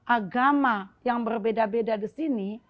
agama yang berbeda beda di sini